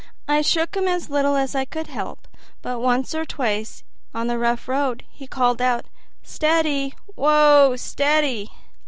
I shook him as little as I could help, but once or twice on the rough ground he called out, "Steady! Woah! Steady!"